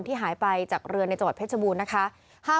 ที่หายไปจากเรือในจังหวัดเพชรบูรณ์นะคะ